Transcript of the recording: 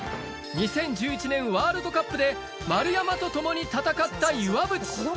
２０１１年ワールドカップで丸山と共に戦った岩渕